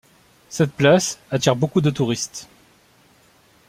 Cette place attire beaucoup de touristes.